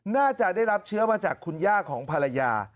น่าจะได้รับเชื้อมาจากคุณย่าของภรรยา